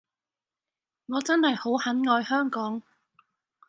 我真係好很愛香港